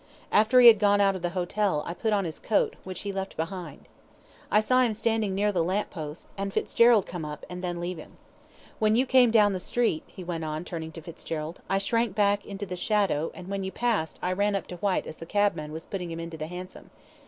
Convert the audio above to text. After he had gone out of the hotel, I put on his coat, which he left behind. I saw him standing near the lamp post, and Fitzgerald come up and then leave him. When you came down the street," he went on, turning to Fitzgerald, "I shrank back into the shadow, and when you passed I ran up to Whyte as the cabman was putting him into the hansom.